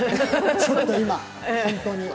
ちょっと今、本当に。